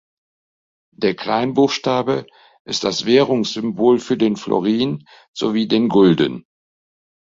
Der Kleinbuchstabe ist das Währungssymbol für den Florin sowie den Gulden.